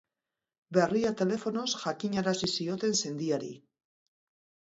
Berria telefonoz jakinarazi zioten sendiari.